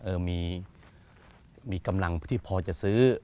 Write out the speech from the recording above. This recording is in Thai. เออมีกำลังที่พอจะซื้อ